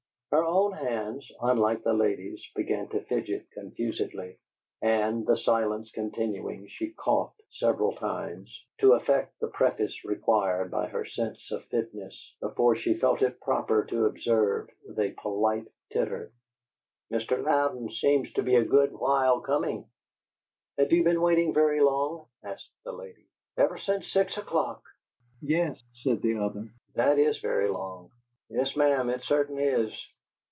Her own hands, unlike the lady's, began to fidget confusedly, and, the silence continuing, she coughed several times, to effect the preface required by her sense of fitness, before she felt it proper to observe, with a polite titter: "Mr. Louden seems to be a good while comin'." "Have you been waiting very long?" asked the lady. "Ever since six o'clock!" "Yes," said the other. "That is very long." "Yes, ma'am, it cert'nly is."